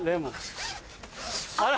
あら。